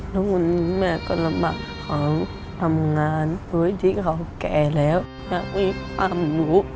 ทุกคนแม่กระบัดของทำงานโดยที่เขาแก่แล้วยังมีความรู้